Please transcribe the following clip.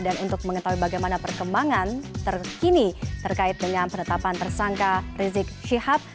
dan untuk mengetahui bagaimana perkembangan terkini terkait dengan penetapan tersangka rizik syihab